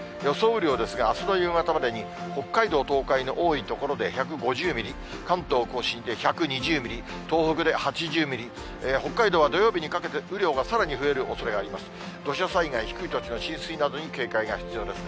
雨量ですが、あすの夕方までに北海道、東海の多い所で１５０ミリ、関東甲信で１２０ミリ、東北で８０ミリ、北海道は土曜日にかけて、雨量がさらに増えるおそれがあります。